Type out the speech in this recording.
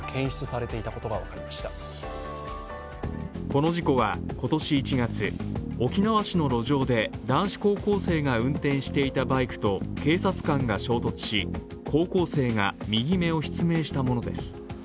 この事故は今年１月沖縄市の路上で男子高校生が運転していたバイクと警察官が衝突し、高校生が右目を失明したものです。